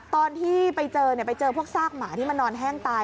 ตอนที่ไปเจอไปเจอพวกซากหมาที่มันนอนแห้งตาย